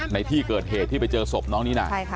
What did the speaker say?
ในที่เกิดเหตุที่ไปเจอศพน้องนิน่า